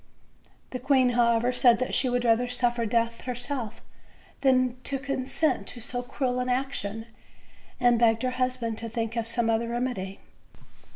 The queen, however, said that she would rather suffer death herself than con sent to so cruel an action, and begged her husband to think of some other remedy.